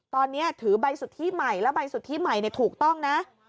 ตอนนี้ถือใบสุทธิใหม่และใบสุทธิใหม่ถูกต้องนะ